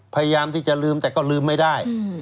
พยายามที่จะลืมแต่ก็ลืมไม่ได้